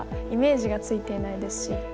イメージがついていないですし。